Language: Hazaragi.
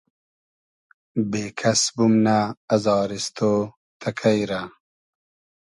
بېکئس بومنۂ ازاریستۉ تئکݷ رۂ